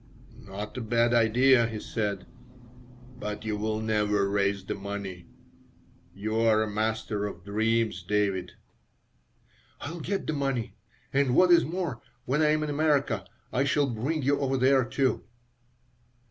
"Not a bad idea," he said, "but you will never raise the money. You are a master of dreams, David." "I'll get the money, and, what is more, when I am in America I shall bring you over there, too."